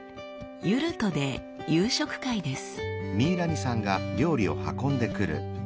ユルトで夕食会です。